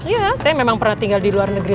ya saya memang pernah tinggal di luar negeri